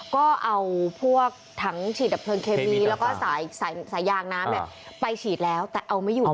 ก็เอาพวกถังฉีดดับเพลิงเคมีแล้วก็สายยางน้ำไปฉีดแล้วแต่เอาไม่อยู่